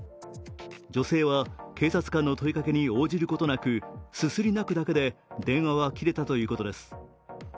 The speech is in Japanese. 女性は警察官の問いかけに応じることなくすすり泣くだけで電話は切れたということです。